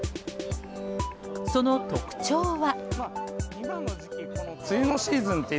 その特徴は。